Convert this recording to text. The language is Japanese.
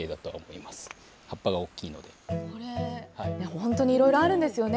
本当にいろいろあるんですよね。